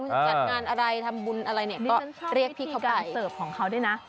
คุณจะจัดงานอะไรทำบุญอะไรก็เรียกพี่เขาไปนี่ฉันชอบวิธีการเสิร์ฟของเขาด้วยนะ